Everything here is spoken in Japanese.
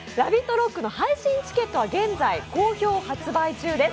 ＲＯＣＫの配信チケットは現在公表発売中です。